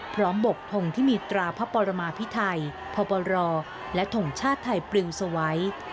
พร้อมบกถ่งที่มีตราพระปรมาพิไทยพระบรรลและถ่งชาติไทยปลิวสวัย